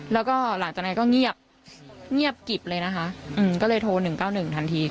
แล้วก็หลังจากนั้นก็เงียบเงียบกิบเลยนะคะก็เลยโทร๑๙๑ทันที